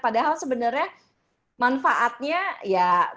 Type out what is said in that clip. padahal sebenarnya manfaatnya ya banyak juga untuk konsumen